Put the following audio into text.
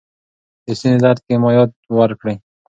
د ستوني درد کې مایعات ورکړئ.